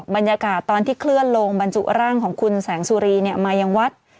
บรรยากาศตอนที่เคลื่อนลงบรรจุร่างของคุณแสงสุรีมายังวัด